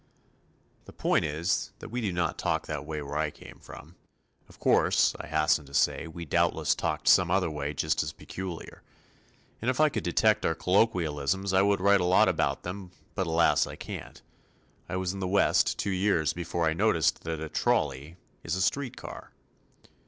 The point is, that we did not talk that way where I came from. Of course, I hasten to say, we doubtless talked some other way just as peculiar. And if I could detect our colloquialisms I would write a lot about them but alas I can't. I was in the West two years before I noticed that a "trolley" is a "street car."